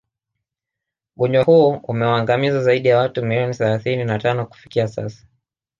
Ugonjwa huo umewaangamiza zaidi ya watu milioni thalathini na tano kufikia sasa